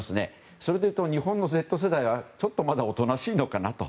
それでいうと日本のＺ世代はちょっとまだおとなしいのかなと。